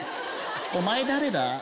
お前誰だ？